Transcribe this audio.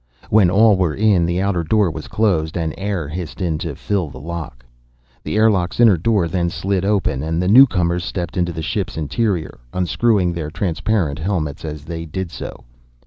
When all were in, the outer door was closed, and air hissed in to fill the lock. The airlock's inner door then slid open and the newcomers stepped into the ship's interior, unscrewing their transparent helmets as they did so.